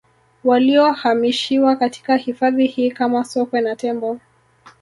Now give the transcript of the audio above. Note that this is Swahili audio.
Waliohamishiwa katika hifadhi hii kama Sokwe na Tembo